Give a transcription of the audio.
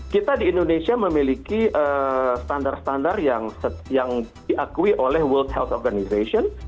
kita di indonesia memiliki standar standar yang diakui oleh world health organization